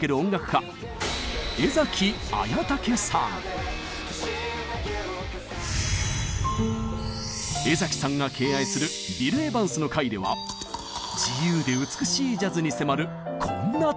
家江さんが敬愛する「ビル・エヴァンス」の回では自由で美しいジャズに迫るこんなトークも。